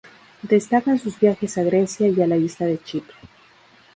Destacan sus viajes a Grecia y a la isla de Chipre.